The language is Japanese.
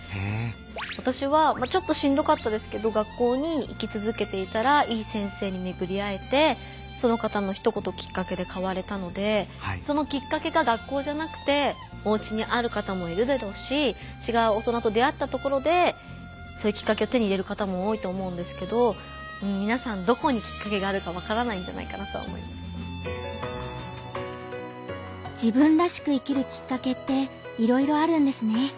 私はちょっとしんどかったですけど学校に行きつづけていたらいい先生にめぐり会えてその方のひと言きっかけで変われたのでそのきっかけが学校じゃなくておうちにある方もいるだろうし違う大人と出会ったところでそういうきっかけを手に入れる方も多いと思うんですけどみなさん自分らしく生きるきっかけっていろいろあるんですね。